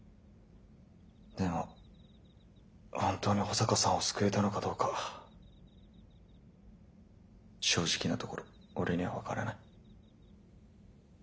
でも本当に保坂さんを救えたのかどうか正直なところ俺には分からない。